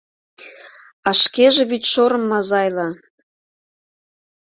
А шкеже вӱдшорым Мазайла